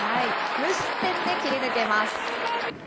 無失点で切り抜けます。